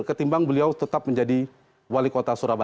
ketimbang beliau tetap menjadi wali kota surabaya